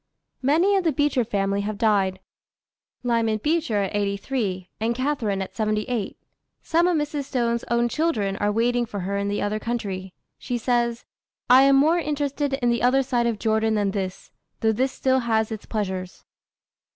Many of the Beecher family have died; Lyman Beecher at eighty three, and Catharine at seventy eight. Some of Mrs. Stowe's own children are waiting for her in the other country. She says, "I am more interested in the other side of Jordan than this, though this still has its pleasures."